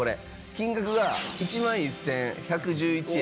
金額が１万１１１１円